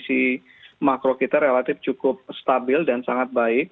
kalau kita lihat dari sisi makro kita relatif cukup stabil dan sangat baik